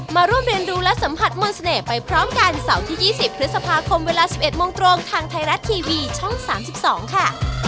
มาร่วมเรียนรู้และสัมผัสมนต์เสน่ห์ไปพร้อมกันเสาร์ที่๒๐พฤษภาคมเวลา๑๑โมงตรงทางไทยรัฐทีวีช่อง๓๒ค่ะ